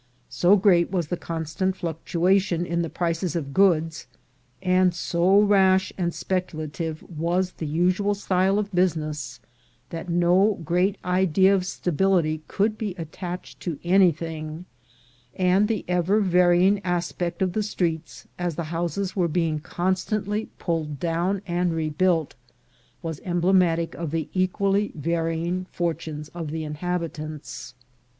So great was the constant fluctuation in the prices of goods, and so rash and speculative was the usual style of business, that no great idea of stability could be attached to anything, and the ever varying aspect of the streets, as the houses were being constantly pulled down, and rebuilt, was emblematic of the equally varying fortunes of the inhabitants.